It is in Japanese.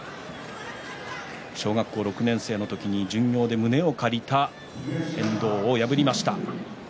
小学校６年の時に胸を借りた遠藤を破りました。